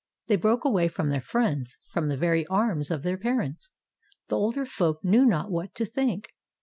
" They broke away from their friends, from the very arms of their parents. The older folk knew not what to think.